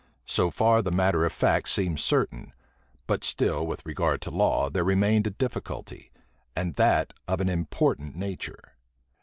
So far the matter of fact seems certain: but still, with regard to law, there remained a difficulty, and that of an important nature.